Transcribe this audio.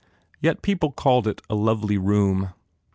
Yet people called it a lovely room.